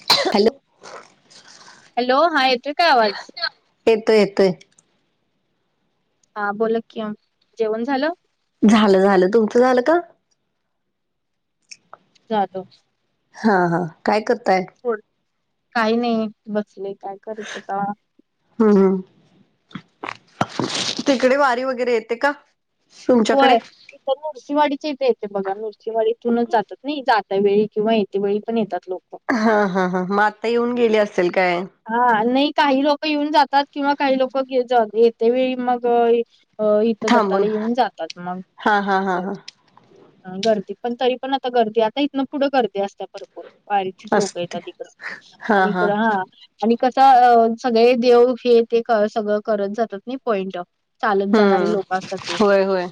[unintelligible] Hello- hello हा येतोयं का आवाज? येतोय! येतोय! हां बोलाकीं ओ जेवण झालं? झालं झालं तुमचं झालं का? झालं. हां हां काय करताय? होय, काही नाही बसलोय काय करायचं आता. हं हं तिकडे वारी वगैरे येते का? तुमच्याकडे होय तिथ नर सिंहवाडीच्या इथे येते बघा नरसिंहवाडी इथूनच जातात नाही जात त्या वेळी किंवा येत वेळी पण येतात लोक. हा हा हा मग आता येऊन गेली असेल काय. हा नाही काही लोक येऊन जातात किंवा काही लोक ग ज येते वेळी मग अ इथं थांबून दत्ताला येऊन जातात मग हा हा अस हा हा ह गर्दी पण तरी पण आता गर्दी आता इथन पुढं गर्दी असते भरपूर. वारीची लोक असते येतात हिकड हा आणि हा हिकड हां! आणि कस अं सगळे देव हे ते क सगळं करत जातात नायी पॉइंट चालत जाणारे हम्म लोक असत्यात ते. होय होय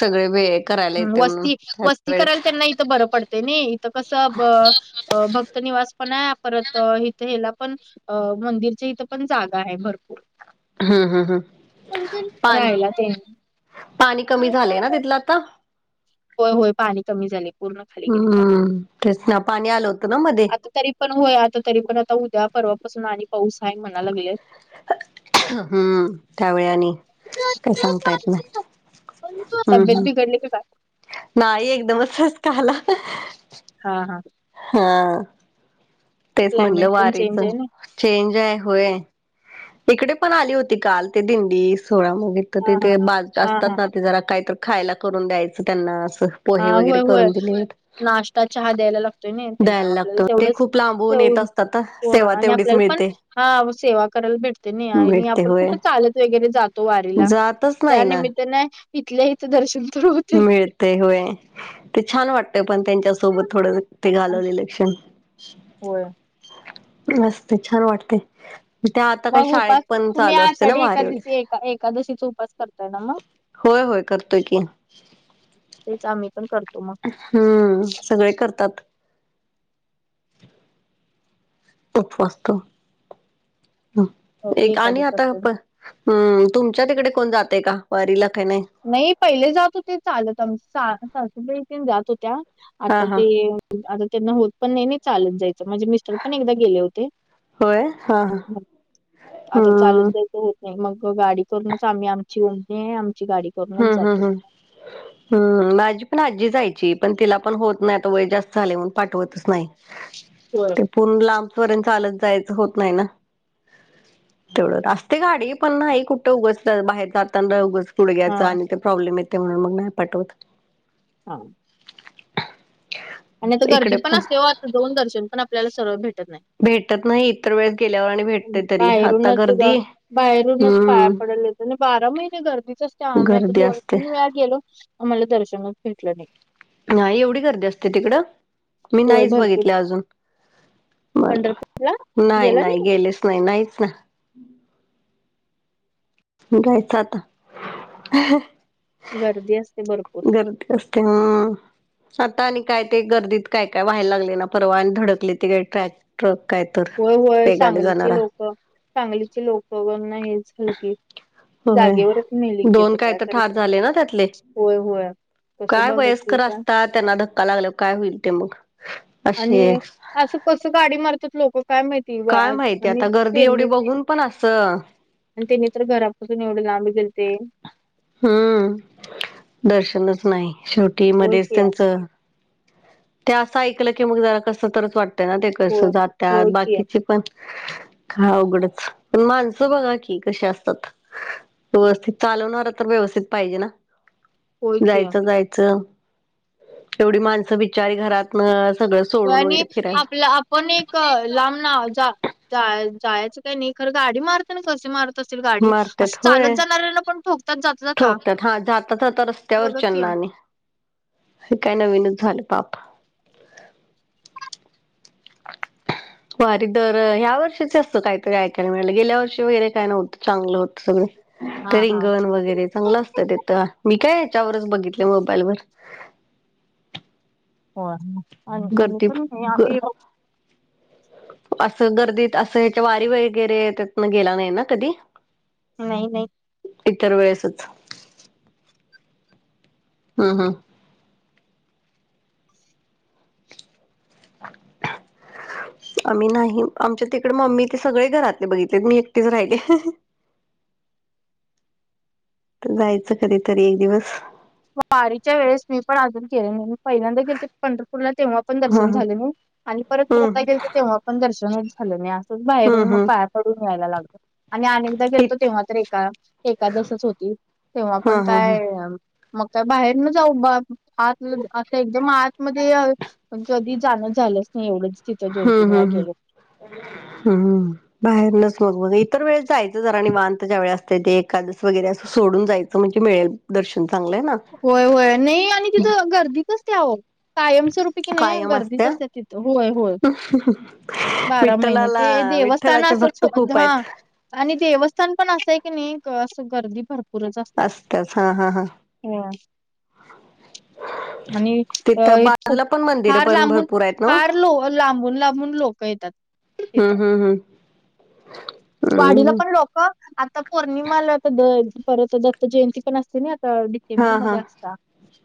सगळे वेळ करायला हुं येते म्हणून वस्ती त्या -वस्ती वेळेत करायला त्यांना इथं बरं पडतय नाही इथं कसं ब- अं भक्त निवास पणायं परत हिथ हेला- पण अं मंदिरच्या इथं पण जागा आहे भर- हम हम हम पाणी राहायला ते पाणी कमी झालेयनां तिथलं आता? होंय होंय पाणी कमी झालें. हम हम तेच ना पाणी आलं होतं ना मध्ये. आता तरी पण होय! आता तरी पण आता उद्या परवापासून आणि पाऊस हाय म्हणा लागलेत. [unintelligible] हम त्यावेळी आणि काय सांगता येत नाय. [inaudible] तब्येत बी- बिगडली की काय? नाही एकदमच ठसकाआला. हां हां- हां तेच म्हणलं क्लायमेट पण चेंज वारीच- आहे ना चेंज आहे होय इकडे पण आली होती काल ते दिंडी सोहळया मधे- तर हा हा तिथे पा अस हा हा त्यात नां ते जरा काहीत खायला करून द्यायचं त्यांना असं. पोहे आं होय वगैरे होय करून दिले नाश्ता चहा द्यायला लागतोय ना त्यांना द्यायला आपल्याला लागतो ते तेवढंच- खूप - लांबून येत तेवढं असतात होय सेवा आणि तेवढीच आपल्याला पण मिळते आ सेवा करायला भेटतेयंनी आणि मिळते आपण होय कुठे चालत- - वगैरे जातो वारीला जातच नाही ना त्यानिमित्ताने इथल्याइथं दर्शन तर होतय. तें होय ते छान वाटतय पण त्यांच्यासोबत थोडं ते घालवलेले क्षण. होय. मस्त छान वाटतय. म त्या आता काही मग शाळेत उपास पण तुम्ही चालू असते ना आषाढी वारी एकादशी वगैरे. एका एकादशीचा उपास करताय ना मग होंय होःय करतोय की. तेच आम्ही पण करतो मग. हां सगळे करतात. उपवास तो हं मोठी एक आणि एकादशी आता असते प- हां तुमच्या तिकडे कोण जातेयं का वारीला काही नाही. नायी पहिले जात होते चालत आमं- सा-सासूबाई तेन जात होत्या हा आता हा ते येवू- आता त्यांना होत पण नाही नाही चालत जायचं म्हणजे मिस्टर पण एकदा गेले होते होय हा हा आता चालून हम्म जायच हो मग गाडी करूनच आम्ही आमची उओमणी आहे आमची गाडी करूनच हम्म जातो. हम्म हम् हम्म माझी पण आजी जायची पण तिला पण होत नाही आता वय जास्त झाले म्हणून पाठवतच नाही होर पण लांबचपर्यंत चालत जायचं होत नाही ना तेवढं असते गाडी पण नाही कुठं उग बाहेर जाताना उग पुढे हा आणि ते प्रॉब्लेम येते म्हणून मग नाही पाठवत हो आणि आता गर्दी पण असते हो आता दोन दर्शन पण आपल्याला सर्व भेट भेटत नाही इतर वेळेस गेल्यावर आणि भेटते तरी आता बाहेरूनच गर्दी बाहेरूनच पाया हम्म पडले आणि बारा महिने गर्दीच असत्या आम्ही आता गर्दी दोन असते तीन वेळा गेलो आम्हाला दर्शनच भेटलं नाही. नाही एवढी गर्दी असत्या तिकडं? मी होय नाहीच भरपूर बघितले अजून मला पंढरपूरला नाही नाही गेलेच नाही नाहीच ना घायच आता गर्दी असते भरपूर गर्दी असते ह आता आणि काय ते गर्दीत काय काय व्हायला लागले ना परवा आणि धडकले ते काही ट्रॅक ट्रक काय तर पेगाने जाणारा चांगलीचे लोक नाही झाल की होय जागेवरच मेलिक घेत दोन काय तर ठार करायचं झाले ना त्यातले होय होय तसभ काय बच वयस्कर का असतात त्यांना धक्का लागल काय होईल ते मग असे आणि असं कसं गाडी मारतात लोकं काय माहिती वा- काय माहितीय आणि आता गर्दी एवढी त्यांनी बघून पण अस आणि त्यांनी तर घरापासून एवढे लांब गेल ते हम्म दर्शनच नाही शेवटी होय मध्येच की त्यांचं ते असं ऐकलं की मग जरा कस तरच वाटतंय ना ते कस होय जात्या होय की बाकीची पण हा उघडच पण माणसं बघा की कसे असतात व्यवस्थित चालवणार तर व्यवस्थित पाहिजे ना होय की जायचं जायचं एवढी माणसं बिचारी घरात सगळं सोडून आणि वगैरे फिरायला आपलं आपण एक लांब ना जा जायचं काही नाही खरं गाडी मारते ना कसे मारत असतील गाडी मरतात असं होय चालत जाणाऱ्यांना पण ठोकतात जाता जाता ठोकतात हा जात जात रस्त्यावर बघा की. चन्नाने हे काय नवीन झालं पाप अ वारी दर ह्या वर्षीच असतं काहीतरी ऐकायला मिळालं गेल्या वर्षी वगैरे काय नव्हतं चांगलं होतं सग हा तर हा रिंगण वगैरे चांगलं असतं तेथ मी काय याच्यावरच बघितले मोबाईलवर हो आणि गर्दी पण ग आम् असं गर्दीत असं याच्या वारी वगैरे त्यातन गेला नाही ना कधी नाही नाही इतर वेळेसच हा हा. [inaudible] आम्ही नाही आमच्या तिकडे मम्मी ते सगळे घरातले बघितले मी एकटेच राहिले. जायचं कधीतरी एक दिवस. वारीच्या वेळेस मी पण आजून गेले नाही पहिल्यांदा गेलते पंढरपूरला तेव्हा पण ह दर्शन ह झालं नाही आणि परत जता हम्म गेल तर तेव्हा पण दर्शनच झालं नाही असंच हम्म बाहेरून मग हम्म. पाया कडून यायला लागत. आणि अनेकदा गेलतो इत तेव्हा तर एका एकादसच होती तेव्हा हा पण हा हा काय मग काय बाहेर न जाऊ आत असं एकदम आतमध्ये पण कधी जाण झालंच नाही एवढंच. तिथं दोन तीन हम्म वेळा हम्म गेलो. हम्म हम्म. बाहेरनच मग म इतर वेळेस जायचं जरा आणि वाांतच्या वेळे असते ते एकादस वगैरे असं सोडून जाय म्हणजे मिळेल दर्शन चांगलंय ना. होय होय नाही आणि तिथं गर्दी कसते आओ. कायमस्वरूपी की नाही कायम गर्दीच असत्या असते तिथं होय होय बारा महिने ते विठ्ठलाला देवस ताना विठ्ठलाचे भक्त खूप [unintelligible] आहेत. आणि देवस्थान पण असंय की नाही असं गर्दी भरपूरच असत्या तेच हा हा हा. ह आणि अ तिथं [unintelligible] बाजूला पण मंदिर फार पण लांबून भरपूर आहेत ना फार लो लांबून लांबून लोक येतात तिथ. हम्म हम्म [unintelligible] वाढीला पण लोक आता पौर्णिमाला आता परत दत्त जयंती पण असते ना आता हा हा डिसेंबरमध्ये असता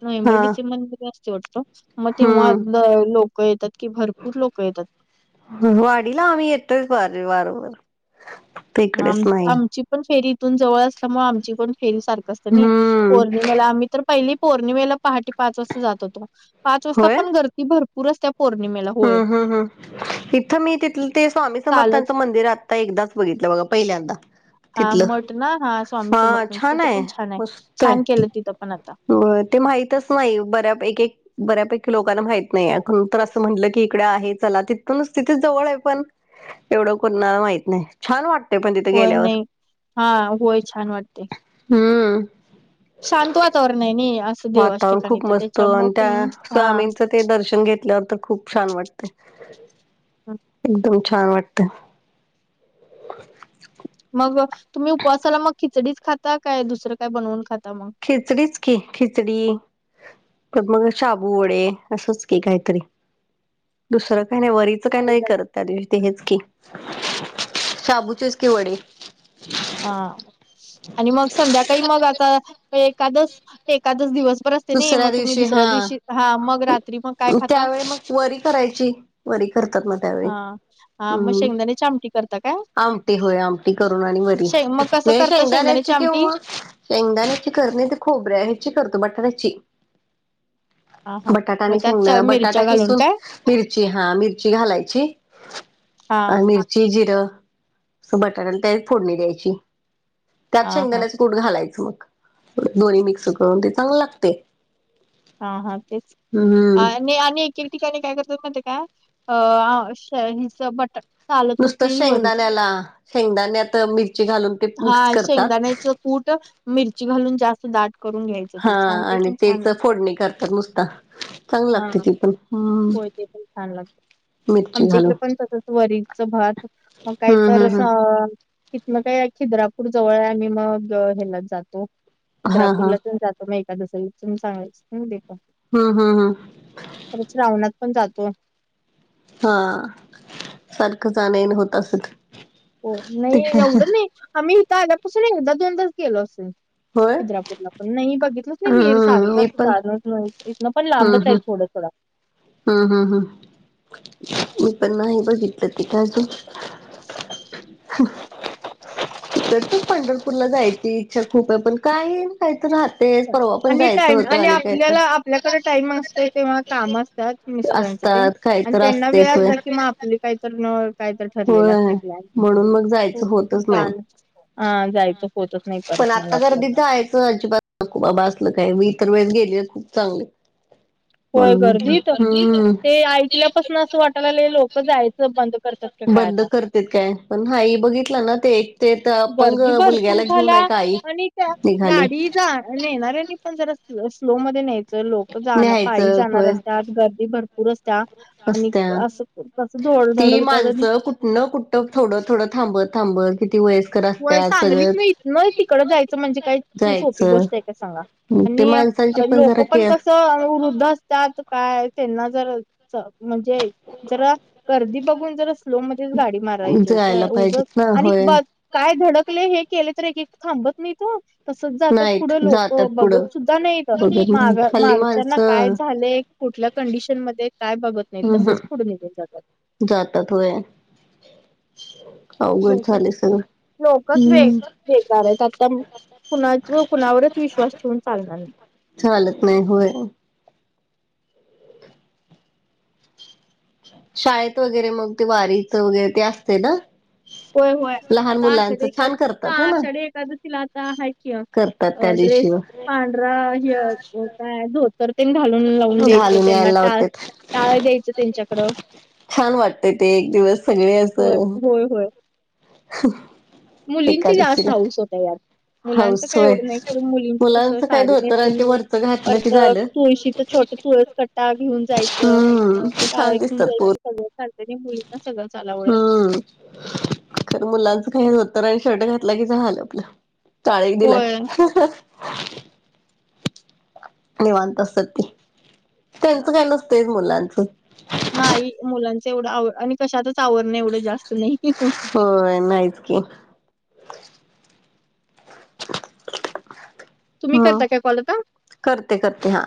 नोव्हेंबर हा डिसेंबरमध्ये असते वाटतो मग तेव्हा हम्म ल- लोक येतात की भरपूर लोकं येतात. वाडीला आम्ही येतोय. [unintelligible] आम नाही आमची पण फेरी इथून जवळ असल्यामुळे आमची पण फेरी सारखं असतं नी हम्म पौर्णिमेला आम्ही तर पहिली पौर्णिमेला पहाटे पाच वाजता जात होतो पाच वाजता होय पण गर्दी भर पुर असत्या. पौर्णिमेला. होय. हम्म हम्म हम्म इथं मी तिथलं ते स्वामी चालत समर्थांचं मंदिरात ता एकदाच बघितलं बघा पहिल्यांदा. हा तिथलं मठ ना हा स्वामी हा समर्थन छान तिथं आहे पण छान आहे छान केलं तिथं पण आता. हो ते माहीतच नाही बऱ्यापैकी बऱ्यापैकी लोकांना माहित नाही अ तर असं म्हटलं की इकडे आहे चला तिथूनच तिथे जवळ आहे पण एवढं कोणाला माहित नाही. छान वाटतेय पण ती होय नाही हा होय छान वाटते. हम्म. शांत वातावरण आहे नी असं. देवाच्या वातावरण ठिकाणी खूप तर मस्त त्याच्यामुळे आणि कणी त्या हा स्वामींचं ते दर्शन घेतल्यावर तर खूप छान वाटते. एकदम छान वाटतं. मग तुम्ही उपवासाला मग खिचडीच खाता काय दुसरं काय बनवून खाता मग. खिचडीच की खिचडी पण मग आबू वडे असंच की काहीतरी दुसरं काही नाही वरीच काही नाही करत त्या दिवशी हेच की शाबूचेच की वडे. हा आणि मग संध्याकाळी मग आता एकादस एकादच दिवसभर असते ना दुसऱ्या मग तुम्ही दिवशी दुसऱ्या हा दिवशी हा मग रात त्यावेळी मग वरी करायची वरी करतात ना त्यावेळी. हा हा मग हम्म शेंगदाणे चामटी करता काय? आमटी होय आमटी करू ना आणि वरी शे मग कसं म करता शहिदा नच शेंगदाण्याची आमटी किऊ शेंगाची करन ते खोबर्या हची करत बटरची ह हा म त्या. बटाटािून मिर हा मिरची घालाची. हा मिरची जि बटाटा फोडणी द्यायची हा त्यात हा शेंगदा कूठ घालायचं मग दोन्ही मिक्स करून ते चांगलं लागतंय. हा हा तेच हम्म नाही आणि एक एक ठिकाणी काय करत्यात माहितीय काय अ अ श हिचं बट नुसतं शेंगदाण्याला शेंगदाण्यात मिरची घालून ते हा मिक्स करतात. शेंगदाण्याच कूट मिरची घालून जास्त दाट करून घ्यायचं. हा ते छान ते आणि पण छान तेच लागत फोडणी करतात नुसत. हा होय ते पण छान लागते मिरची आमच्या घालून. इकडे पण तस वरील यचं भात मग हम्म काहीतर हम्म हम्म असं तिथंन काय खिद्रापूर जवळ आहे मग आम्ही हेलाच जातो हा हा खिद्रापूरला [unintelligible] मग एखादस विचून सांगायच. हम हम हम. आम्ही श्रावणात पण जातो. हा सारखं जान येणं होत असल. हो नाही एवढं नाही आम्ही इथ आल्यापासून एकदा दोनदाच गेलो असेल. होय चिंद्रापूरला पण नाही बघितलंच नाही मीर हम्म मी पण सारखंदाहरणच नाही इथ. पण लांबच आहे थोडं थडं. हम् हम् हम् मी पण नाही बघितलं त का अजून तर तू पंढरपूरला जायची इच्छा खूप आहे पण काय? काही तर राहतेच परवा पण आणि जायचं टाइम होतं आणि काय आपल्याला आपल्याकडे टाईम असतो तर तेव्हा काम असतात. मिस्टरांच तेन असतात काही आणि तर त्यांना वेळ असतेच होय. असला कि म आपली काही तर काय तर ठरलेलं होय असतय प्लॅन म्हणून मग जायचं होतच नाही. ह जायचं. होतच नाही परत मग आपल्या खू आभासलं काय मी इतर वेळेस गेली खूप चांगले. होय म्हणून गर्दीत म्हटलं ते हम्म ऐकल्यापासन असं वाटायला लागलंय लोक जायचं बंद करत्यात. बंद करते काय पण नाई बघितला ना ते ते तर पंग गर्दी भरपूर मुलग्याला घेऊन झाल्या आहे का आई निघाली. नेणार आहे मी पण नाही पण जरा स्लो मध्ये न्यायचं लोक जा पायी न्याहायचं जाणार होय असतत गर्दी भर. पूर रस्त्या असत्या ती धडकत्यात आणि माणसं कुठनं कुठ? थोडं थोडं थांबत थांबत किती वयस. व्हय सांगलीतन इथन तिकड जायचं म्हणजे काय सोपी जायचं गोष्ट आहे काय सांगा. ते माणसांची आणि लोक जरा पण केअर कसं वृद्ध अस. त्यात काय त्यांना जर म्हणजे जरा गर्दी बघून जर स्लो मध्येच गाडी मारायची जायला काय उगं पाहिजेत ना आणि होय बस. काय धडकले हे केले तर एक थांबत नाहीत. तसच जातात नाहीत पुढं लोक जातात पुढं बघत सुद्धा नाहीत बघत नाही माग हल्ली मागच्याना काय माणसं झालेय. कुठल्या कंडिशन मध्ये काय बघत नाही हम् हम तसंच पुुढे निघून जातात. जातात व्हय. अवघड लोकच झालंय सगळं लोकच वे हम्म. बेकार आहेत आता कुणा कुणावरच विश्वास ठेवून चालणार नाही. चालत नाही होय. शाळेत वगैरे मग ते वारीच वगैरे ते असतंय ना. होय होय लहान आता मुलांचं आषाढी एका छान हा करतात ह ना आषाढी एखकादशीला आता हाय की मग करतात त्या दिवशी व काय हे धोतर. तेन घालून लावून द्यायचं घालून त्यांना यायला टाळ लावतेत टाळ द्यायचं त्यांच्याकडं छान वाटतय ते, एक दिवस सगळे होय असं. होय होय. मुलींची जास्त एकादशीला हौस होत्या यात. मुलांच हाऊस काही होय एवढं नाही खरं, मुलींचं कस मुलांचं काय साडी धोतर आणि ते नेसून वरचं घातलं की परत झालं तुळशीचं, छोट तुळस कट्टा घेऊन जायचं, हम्म ते टाळ छान घेऊन दिसतात पोर जायचं. सगळं चालतंय मुलींना सगळं. चालावलंय हम्म. खरं मुलांचं काहीच धोतर आणि शर्ट घातला की झाल आपलं. टाळ एक दिला की, होय निवांत असत्यात ती, त्यांच काय नसतच मुलांच. नाही मुलांचं एवढं आव आणि कशातच आवरण एवढं जास्त नाही. होय, नाहींच की. [unintelligible] तुम्ही करता काय? कॉल आता. करते करते हां.